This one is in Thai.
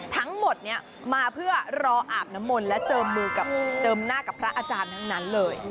ทั้งหมดมาเพื่อรออาบน้ำมนต์และเจอมหน้ากับพระอาจารย์ทั้งนั้นเลย